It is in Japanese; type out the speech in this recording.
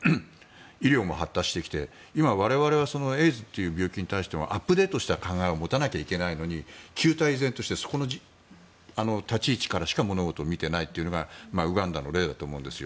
医療も発達してきて今、我々はエイズという病気に対してアップデートした考えを持たないといけないのに旧態依然としてそこの立ち位置からしかものを見ていないというのがウガンダの例だと思うんです。